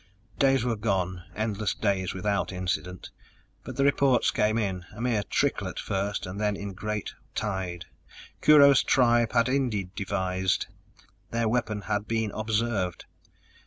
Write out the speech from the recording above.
Days were gone, endless days without incident. But the reports came in a mere trickle at first, and then in great tide. Kurho's tribe had indeed devised. Their weapon had been observed!